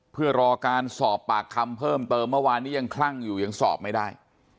เพื่อรอการสอบปากคำเพิ่มเติมเมื่อวานนี้ยังคลั่งอยู่ยังสอบไม่ได้